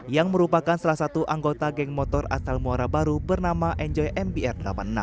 yang merupakan salah satu anggota geng motor asal muara baru bernama enjoy mbr delapan puluh enam